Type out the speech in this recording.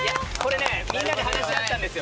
みんなで話し合ったんです。